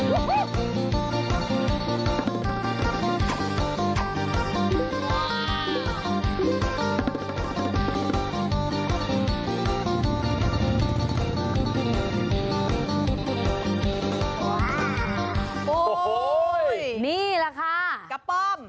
โอ้โห้ยนี่เหล่าคะก็ป้อม